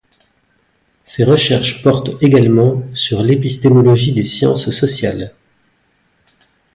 Ses recherches portent également sur l'épistémologie des sciences sociales.